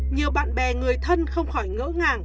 nhiều bạn bè người thân không khỏi ngỡ ngàng